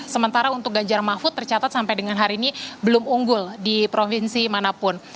sementara untuk ganjar mahfud tercatat sampai dengan hari ini belum unggul di provinsi manapun